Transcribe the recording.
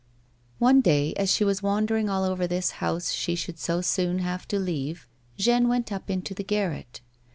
One day, as she was wandering all over this house she should so soon have to leave, Jeanne went up into the garret.